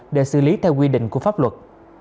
để xử lý theo quy định của pháp luật